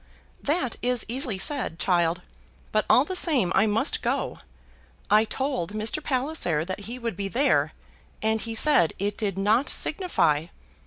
"That is easily said, child; but all the same I must go. I told Mr. Palliser that he would be there, and he said it did not signify.